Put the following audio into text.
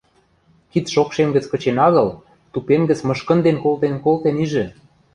Кид шокшем гӹц кычен агыл, тупем гӹц мышкынден колтен-колтен ижӹ